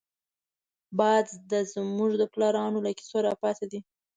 باد زمونږ د پلارانو له کيسو راپاتې دی